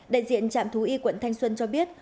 đại diện trạm thú y quận thanh xuân cho biết